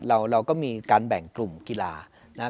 เราก็มีการแบ่งกลุ่มกีฬานะครับ